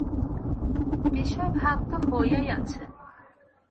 বিষয় ভাগ তো হইয়াই আছে।